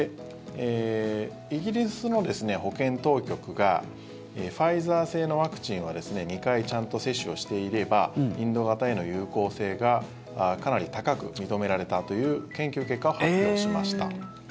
イギリスの保健当局がファイザー製のワクチンは２回ちゃんと接種をしていればインド型への有効性がかなり高く認められたという研究結果を発表しました。